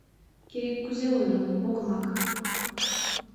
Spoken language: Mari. Керек-кузе ойло, огымак.